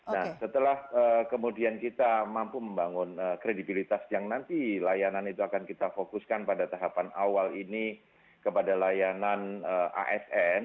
nah setelah kemudian kita mampu membangun kredibilitas yang nanti layanan itu akan kita fokuskan pada tahapan awal ini kepada layanan asn